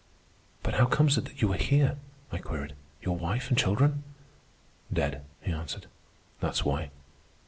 "But how comes it that you are here?" I queried. "Your wife and children?" "Dead," he answered. "That's why.